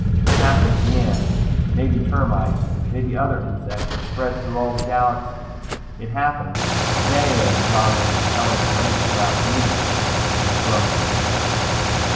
It happens the ants, maybe termites, maybe other insects, are spread through all the galaxies. It happens they are the dominant intelligent race throughout the universe." He shrugged in disgust.